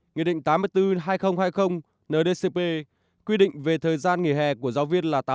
nghị định tám mươi bốn hai nghìn hai mươi ndcp quy định về thời gian nghỉ hè của giáo viên là tám mươi